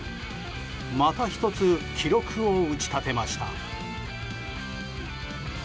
また１つ記録を打ち立てました。